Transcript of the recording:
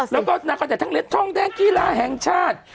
แล้วก็นาคอนใหญ่ทั้งเหรียญทองแดงกีฬาแห่งชาติ